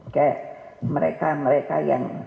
ke mereka mereka yang